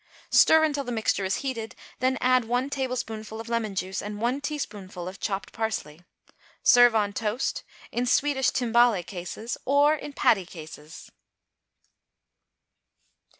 Stir until the mixture is heated, then add one tablespoonful of lemon juice and one teaspoonful of chopped parsley. Serve on toast, in Swedish timbale cases or in patty cases.